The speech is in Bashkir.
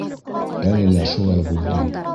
Әле лә шулай булды.